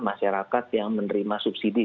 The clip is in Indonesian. masyarakat yang menerima subsidi